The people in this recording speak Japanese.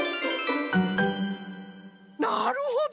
なるほど！